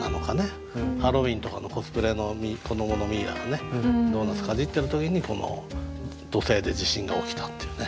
ハロウィーンとかのコスプレの子どものミイラがドーナツかじってる時に土星で地震が起きたっていうね